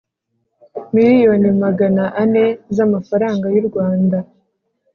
miriyoni magana ane z’amafaranga y’u Rwanda